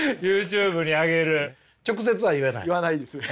直接は言えないですか？